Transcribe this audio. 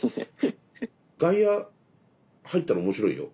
外野入ったら面白いよ。